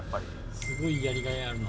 すごいやりがいあるな。